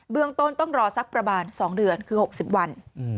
เรื่องต้นต้องรอสักประมาณ๒เดือนคือ๖๐วัน